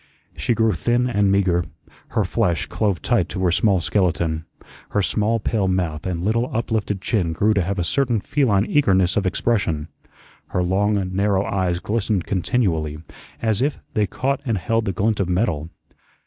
She grew thin and meagre; her flesh clove tight to her small skeleton; her small pale mouth and little uplifted chin grew to have a certain feline eagerness of expression; her long, narrow eyes glistened continually, as if they caught and held the glint of metal.